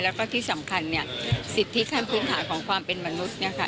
แล้วก็ที่สำคัญเนี่ยสิทธิขั้นพื้นฐานของความเป็นมนุษย์เนี่ยค่ะ